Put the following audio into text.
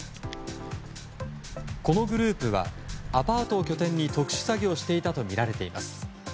このグループはアパートを拠点に特殊詐欺をしていたとみられています。